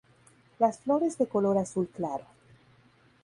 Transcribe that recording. Las flores de color azul claro.